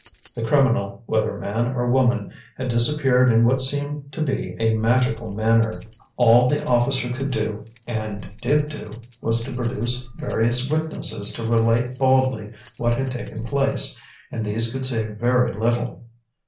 The criminal, whether man or woman, had disappeared in what seemed to be a magical manner. All the officer could do, and did do, was to produce various witnesses to relate baldly what had taken place; and these could say very little.